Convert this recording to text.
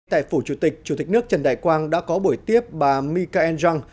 tại phủ chủ tịch chủ tịch nước trần đại quang đã có buổi tiếp bà my ca en giang